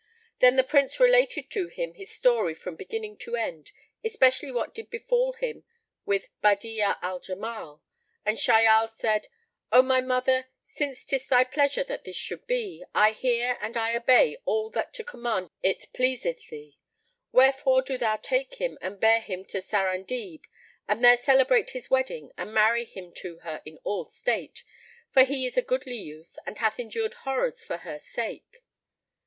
Then the Prince related to him his story from beginning to end, especially what did befal him with Badi'a al Jamal and Shahyal said, "O my mother, since 'tis thy pleasure that this should be, I hear and I obey all that to command it pleaseth thee; wherefore do thou take him and bear him to Sarandib and there celebrate his wedding and marry him to her in all state, for he is a goodly youth and hath endured horrors for her sake."